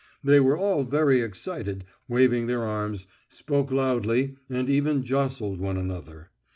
They were all very much excited, waved their arms, spoke loudly, and even jostled one another.